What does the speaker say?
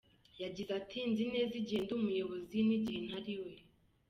Yagize ati “Nzi neza igihe ndi umuyobozi n’igihe ntari we.